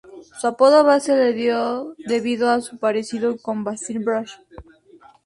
Su apodo "Baz" se le dio debido a su parecido con Basil Brush.